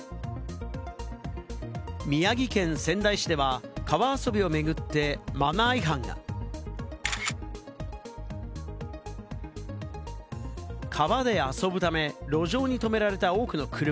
宮城県仙台市では、川遊びを巡ってマナー違反が。川で遊ぶため、路上に停められた多くの車。